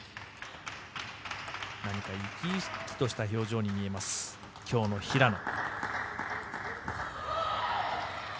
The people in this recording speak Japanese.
生き生きとした表情に見えます、今日の平野。